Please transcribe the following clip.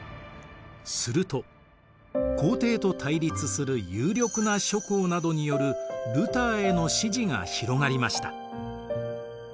すると皇帝と対立する有力な諸侯などによるルターへの支持が広がりました。